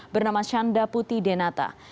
bernama shanda puti denata